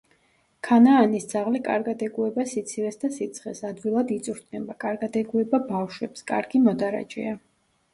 ქანაანის ძაღლი კარგად ეგუება სიცივეს და სიცხეს, ადვილად იწვრთნება, კარგად ეგუება ბავშვებს, კარგი მოდარაჯეა.